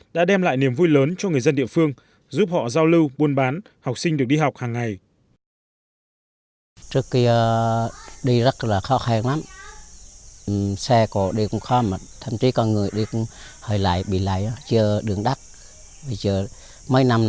đã đem lại niềm vui lớn cho người dân địa phương giúp họ giao lưu buôn bán học sinh được đi học hàng ngày